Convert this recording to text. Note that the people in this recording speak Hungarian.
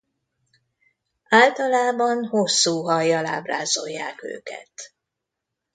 Általában hosszú hajjal ábrázolják őket.